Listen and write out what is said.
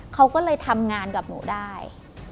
เขาก็เลยทำงานกับหนูได้